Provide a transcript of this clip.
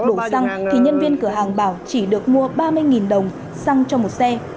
đổ xăng thì nhân viên cửa hàng bảo chỉ được mua ba mươi đồng xăng cho một xe